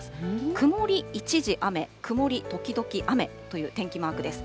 曇り一時雨、曇り時々雨という天気マークです。